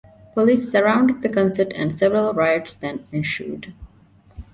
Police surrounded the concert and several riots then ensued.